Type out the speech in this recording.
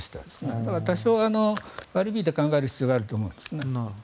だから、多少割り引いて考える必要があると思うんですね。